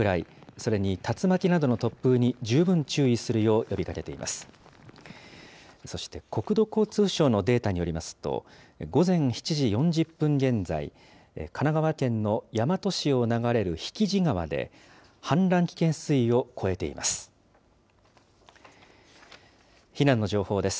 そして国土交通省のデータによりますと、午前７時４０分現在、神奈川県の大和市を流れる引地川で、氾濫危険水位を超えています。